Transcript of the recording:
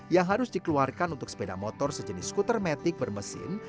yang harus dikeluarkan untuk sepeda motor sejenis skuter metik bermesin